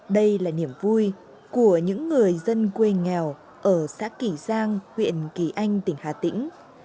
đây là niềm vui của những người dân quê nghèo ở xã kỳ giang huyện kỳ anh tỉnh hà tĩnh